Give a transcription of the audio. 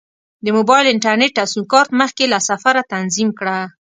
د موبایل انټرنیټ او سیم کارت مخکې له سفره تنظیم کړه.